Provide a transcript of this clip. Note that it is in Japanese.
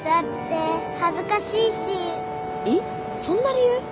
えっそんな理由？